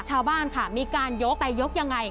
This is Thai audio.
ชาวบ้านค่ะมีการโยกไปยกยังไง